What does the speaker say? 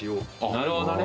なるほどね。